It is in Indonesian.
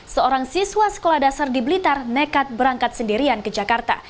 seorang siswa sekolah dasar di blitar nekat berangkat sendirian ke jakarta